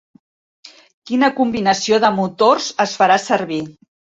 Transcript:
Quina combinació de motors es farà servir?